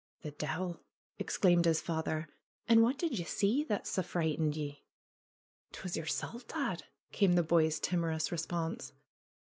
^^The de'il !" exclaimed his father. ^An' wha' did ye see that sae frightened ye ?" ^^'Twas yersel', dad!" came the boy's timorous re sponse.